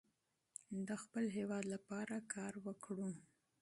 د خپل هیواد لپاره کار وکړو.